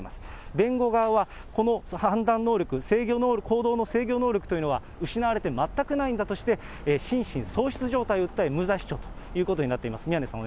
弁護側はこの判断能力、行動の制御能力というのは失われて全くないんだとして、心身喪失状態を訴え、無罪主張ということになっています。